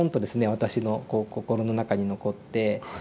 私のこう心の中に残って。